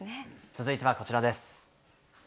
続いてはこちらです。